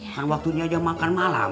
kan waktunya aja makan malam